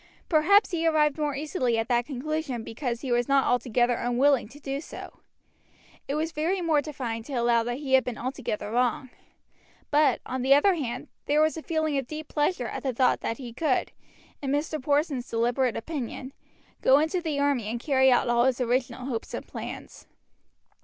Perhaps he arrived more easily at that conclusion because he was not altogether unwilling to do so. It was very mortifying to allow that he had been altogether wrong; but, on the other hand, there was a feeling of deep pleasure at the thought that he could, in Mr. Porson's deliberate opinion, go into the army and carry out all his original hopes and plans.